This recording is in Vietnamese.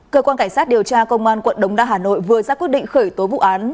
cơ quan cảnh sát điều tra công an quận đống đa hà nội vừa ra quyết định khởi tố vụ án